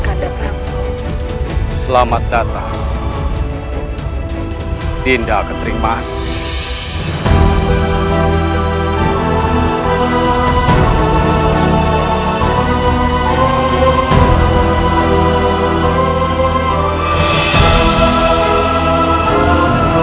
sedang berada di gerbang istana